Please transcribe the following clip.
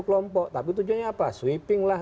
kelompok tapi tujuannya apa sweeping lah